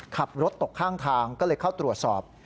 ขับรถตกข้างทางก็เลยเข้าตรวจสอบ